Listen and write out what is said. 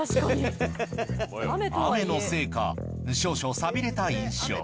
雨のせいか少々寂れた印象。